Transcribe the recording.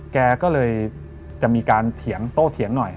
แกก็เลยจะมีการเถียงโตเถียงหน่อย